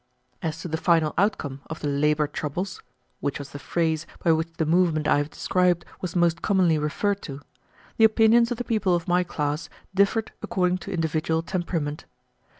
As to the final outcome of the labor troubles, which was the phrase by which the movement I have described was most commonly referred to, the opinions of the people of my class differed according to individual temperament.